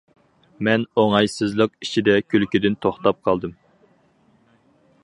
مەن ئوڭايسىزلىق ئىچىدە كۈلكىدىن توختاپ قالدىم.